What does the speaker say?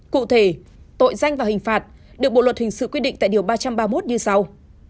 cụ thể tội danh và hình phạt được bộ luật hình sự quy định tại điều ba trăm ba mươi một như sau